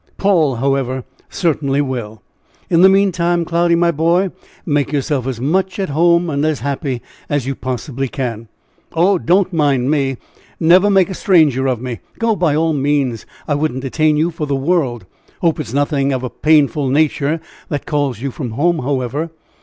Paul, however, certainly will. In the meantime, Cloudy, my boy, make yourself as much at home and as happy as you possibly can." "Oh! don't mind me! Never make a stranger of me. Go, by all means. I wouldn't detain you for the world; hope it is nothing of a painful nature that calls you from home, however.